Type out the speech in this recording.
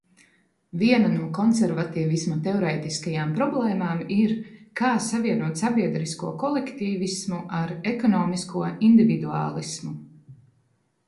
Viena no konservatīvisma teorētiskajām problēmām ir: kā savienot sabiedrisko kolektīvismu ar ekonomisko individuālismu.